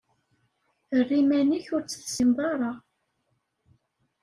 Err iman-ik ur tt-tessineḍ ara.